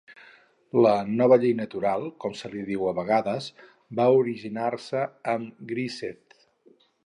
La "Nova llei natural", con se li diu a vegades, va originar-se amb Grisez.